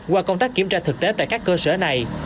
qua công tác kiểm tra thực tế tại các cơ sở này